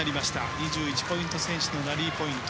２１ポイント先取のラリーポイント。